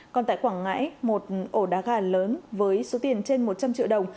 còn tại quảng ngãi một ổ đá gà lớn với số tiền trên một trăm linh triệu đồng